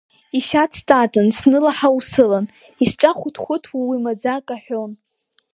Ишьац татан снылаҳауа сылан, исҿахәыҭхәыҭуа уи маӡа ак аҳәон.